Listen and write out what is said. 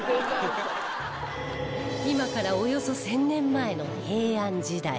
今からおよそ１０００年前の平安時代